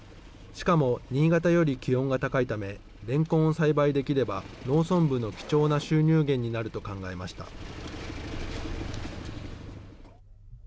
しかも新潟より気温が高いため、れんこんを栽培できれば、農村部の貴重な収入源になると考えました。